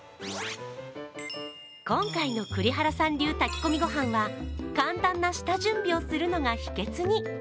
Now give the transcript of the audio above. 今回の栗原流炊き込みご飯は、簡単な下準備をするのが秘けつに。